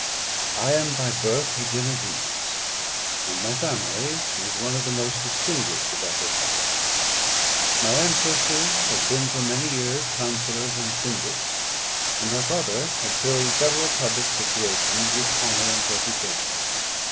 I am by birth a Genevese; and my family is one of the most distinguished of that republic. My ancestors had been for many years counsellors and syndics; and my father had filled several public situations with honour and reputation.